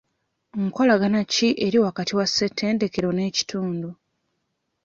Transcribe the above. Nkolagana ki eri wakati wa ssetendekero n'ekitundu?